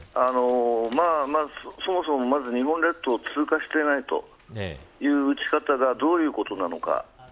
まず日本列島を通過していないという撃ち方がそれがどういうことなのか。